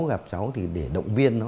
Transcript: gặp cháu thì để động viên nó